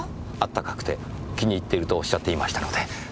温かくて気に入ってるとおっしゃっていましたので。